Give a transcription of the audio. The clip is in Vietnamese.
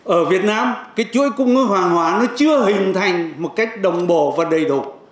ở việt nam chuỗi cung ứng hoàng hóa chưa hình thành một cách đồng bồ và đầy đủ